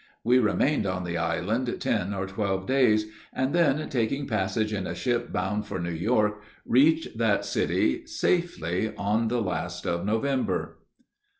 We remained on the island ten or twelve days, and then, taking passage in a ship bound for New York, reached that city safely on the last of November.